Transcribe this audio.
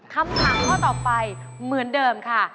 คำถามข้อต่อไปเหมือนเดิมค่ะ